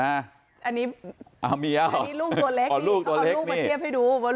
อันนี้ลูกตัวเล็กนี่